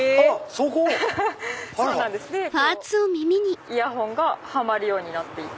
そこを⁉イヤホンがはまるようになってて。